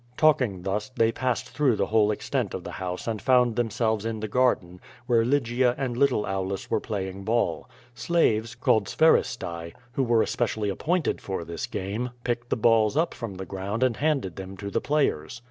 Talking thus, they passed through the whole extent of the house and found themselves in the garden, where Lygia and little Aulus were playing ball. Slaves, called spheristae, who were especially appointed for this game, picked the balls up from the ground and handed them to the players.